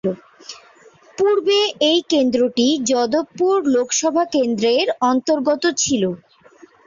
পূর্বে এই কেন্দ্রটি যাদবপুর লোকসভা কেন্দ্রের অন্তর্গত ছিল।